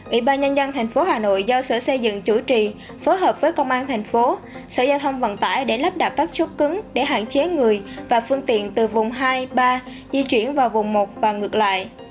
ủy ban nhân dân tp hà nội giao sở xây dựng chủ trì phối hợp với công an thành phố sở giao thông vận tải để lắp đặt các chốt cứng để hạn chế người và phương tiện từ vùng hai ba di chuyển vào vùng một và ngược lại